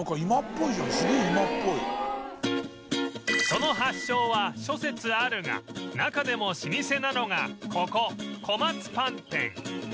その発祥は諸説あるが中でも老舗なのがここ小松パン店